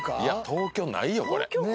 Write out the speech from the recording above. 東京ないよこれ。